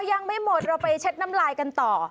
ยังไม่หมดเราไปเช็ดน้ำลายกันต่อ